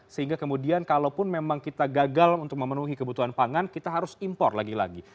sehingga kemudian kalaupun memang kita gagal untuk memenuhi kebutuhan pangan kita harus impor lagi lagi